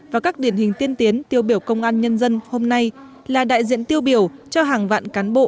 và các điển hình tiên tiến tiêu biểu công an nhân dân hôm nay là đại diện tiêu biểu cho hàng vạn cán bộ